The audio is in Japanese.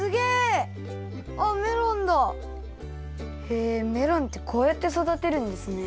へえメロンってこうやってそだてるんですね。